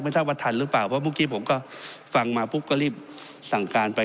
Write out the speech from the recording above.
ทราบว่าทันหรือเปล่าเพราะเมื่อกี้ผมก็ฟังมาปุ๊บก็รีบสั่งการไป